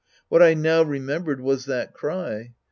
What I now remembered was that cry.